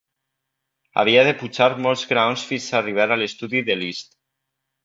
Havia de pujar molts graons fins a arribar a l'estudi de Liszt.